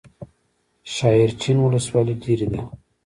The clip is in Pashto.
شاحرچین ولسوالۍ لیرې ده؟